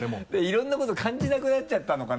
いろんなこと感じなくなっちゃったのかな？